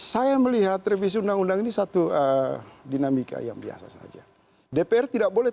saya melihat revisi undang undang ini satu dinamika yang biasa saja dpr tidak boleh